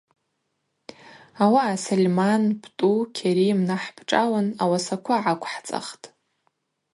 Ауаъа Сольман, Птӏу, Кьарим нахӏпшӏалын ауасаква гӏаквхӏцахтӏ.